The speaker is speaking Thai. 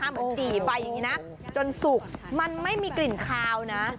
จะตามปิ่นไฟอย่างนี้นะจนสุกมันไม่มีกลิ่นคาวนะ